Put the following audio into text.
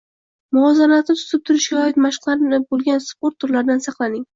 muvozanatni tutib turishga oid mashqlari bo‘lgan sport turlaridan saqlaning.